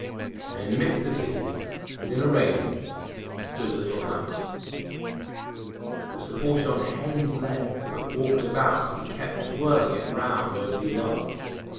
And in the midst of these, within a railing, stood a little house. It was supported on hen's legs that walked about 30 THE TREASURE CHEST and kept twirling it round over the yard.